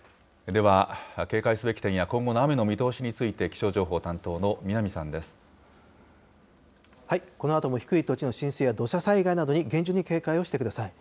では警戒すべき点や、今後の雨の見通しについて、気象情報担当のこのあとも低い土地の浸水や土砂災害などに厳重に警戒をしてください。